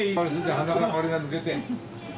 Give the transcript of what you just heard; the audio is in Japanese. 鼻から香りが出て。